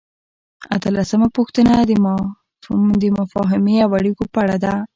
اتلسمه پوښتنه د مفاهمې او اړیکو په اړه ده.